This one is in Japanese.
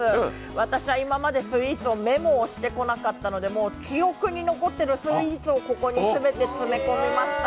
私は今までスイーツをメモしてこなかったので記憶に残ってるスイーツをここに全て詰め込みました。